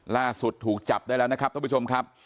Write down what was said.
ล่าสุดถูกจับได้แล้วนะครับท่านผู้ชมครับ